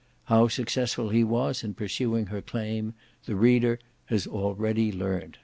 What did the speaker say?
How successful he was in pursuing her claim, the reader has already learnt.